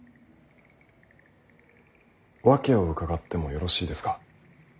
訳を伺ってもよろしいですか。